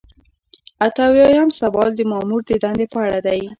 اته اویایم سوال د مامور د دندې په اړه دی.